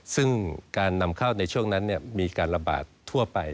ซึ่งการนำเข้าในช่วงนั้นมีการระบาดทั่วไป